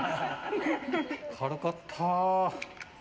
軽かったー！